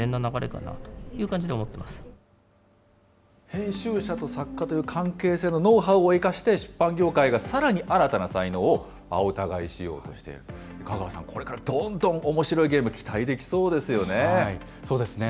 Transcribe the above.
編集者と作家という関係性のノウハウを生かして、出版業界がさらに新たな才能を青田買いしようとしている、加川さん、これからどんどんおもしろいゲーム、期待できそうですよね。